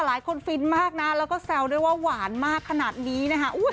ฟินมากนะแล้วก็แซวด้วยว่าหวานมากขนาดนี้นะคะ